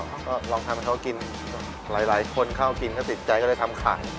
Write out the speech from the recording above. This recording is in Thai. แล้วเค้าลองทำให้เค้ากินหลายคนเค้ากินติดใจก็ได้ทำขาย